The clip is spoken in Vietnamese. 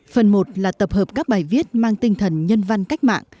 phần một là tập hợp các bài viết mang tinh thần nhân văn cách mạng